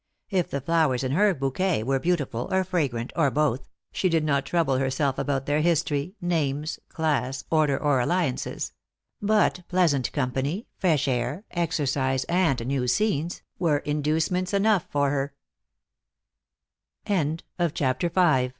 If the flowers in her bouquet were beautiful, or fragrant, or both, she did not trouble herself about their history, names, class, order, or alliances ; but pleasant company, fresh air, exercise, and new scenes, were inducements enough